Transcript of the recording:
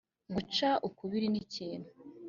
guca ukubiri n ikintu